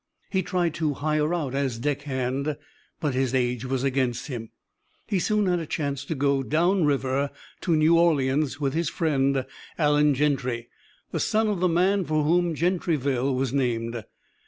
He tried to hire out as deck hand, but his age was against him. He soon had a chance to go "down river" to New Orleans, with his friend, Allen Gentry, the son of the man for whom Gentryville was named.